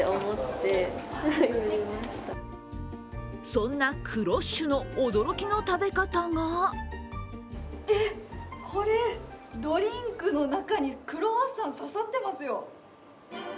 そんなクロッシュの驚きの食べ方がえっ、これ、ドリンクの中にクロワッサン、刺さってますよ。